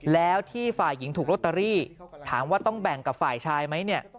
แล้วที่ฝ่ายหญิงถูกลอตเตอรี่ถามว่าต้องแบ่งกับฝ่ายชายไหมเนี่ย